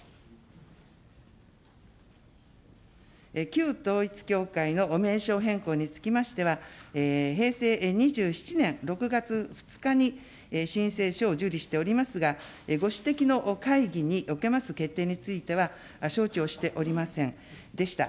旧統一教会の名称変更につきましては、平成２７年６月２日に、申請書を受理しておりますが、ご指摘の会議におけます決定につきましては、承知をしておりませんでした。